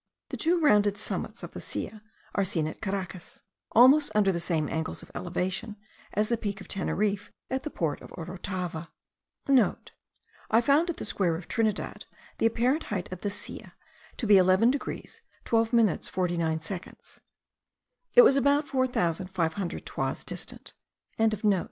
The two rounded summits of the Silla are seen at Caracas, almost under the same angles of elevation* as the peak of Teneriffe at the port of Orotava.* (* I found, at the square of Trinidad, the apparent height of the Silla to be 11 degrees 12 minutes 49 seconds. It was about four thousand five hundred toises distant.)